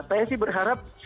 saya sih berharap